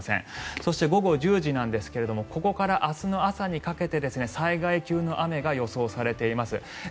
そして午後１０時ここから明日の朝にかけて災害級の雨が予想されています。